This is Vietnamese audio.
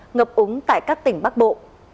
ngập úng tại các tỉnh bắc bộ